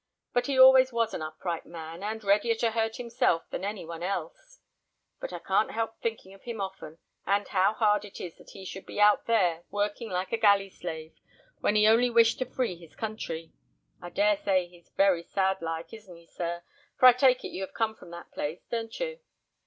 But he always was an upright man, and readier to hurt himself than any one else. But I can't help thinking of him often, and how hard it is that he should be out there working like a galley slave, when he only wished to free his country. I dare say he's very sad like, isn't he, sir? For I take it, you come from that place, don't you?"